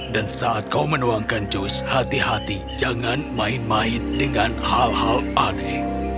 dan saat kau menuangkan jus hati hati jangan main main dengan hal hal aneh